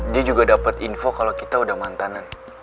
dia juga dapet info kalau kita udah mantanan